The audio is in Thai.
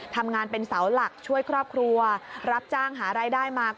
ทำงานเป็นเสาหลักช่วยครอบครัวรับจ้างหารายได้มา